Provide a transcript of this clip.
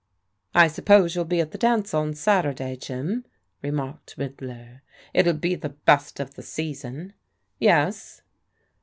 " I suppose youll be at the dance on Saturday, Jim/' remarked Riddler. " It'll be the best of the season." "Yes."